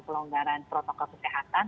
pelonggaran protokol kesehatan